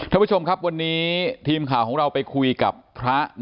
ท่านผู้ชมครับวันนี้ทีมข่าวของเราไปคุยกับพระ